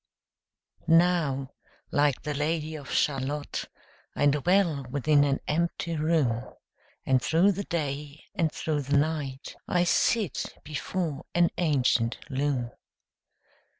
Now like the Lady of Shalott, I dwell within an empty room, And through the day and through the night I sit before an ancient loom.